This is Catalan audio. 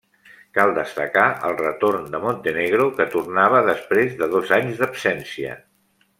Cal destacar el retorn de Montenegro, que tornava després de dos anys d'absència.